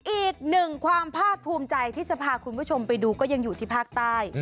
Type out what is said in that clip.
อีกหนึ่งความภาคภูมิใจที่จะพาคุณผู้ชมไปดูก็ยังอยู่ที่ภาคใต้